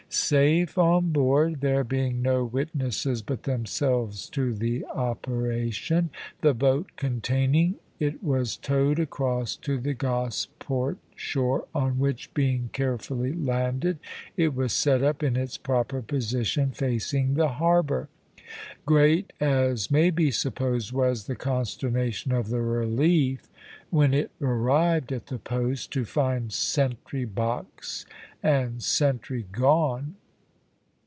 Safe on board, there being no witnesses but themselves to the operation, the boat containing it was towed across to the Gosport shore, on which, being carefully landed, it was set up in its proper position, facing the harbour. Great, as may be supposed, was the consternation of the `Relief' when it arrived at the post, to find sentry box and sentry gone.